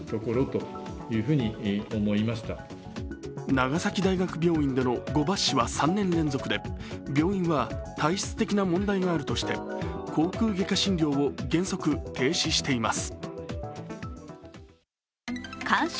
長崎大学病院での誤抜歯は３年連続で病院は体質的な問題があるとして口腔外科診療を原則停止しています。